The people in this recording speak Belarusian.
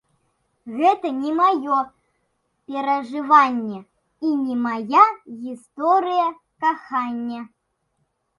Гэта не маё перажыванне і не мая гісторыя кахання.